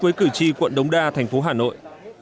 với cử tri quận đống đa thành phố hà nội